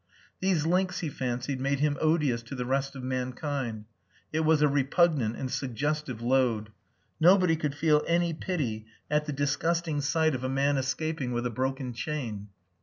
These links, he fancied, made him odious to the rest of mankind. It was a repugnant and suggestive load. Nobody could feel any pity at the disgusting sight of a man escaping with a broken chain.